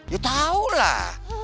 ya tau lah